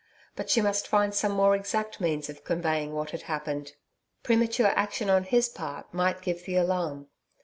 But she must find some more exact means of conveying what had happened. Premature action on his part might give the alarm.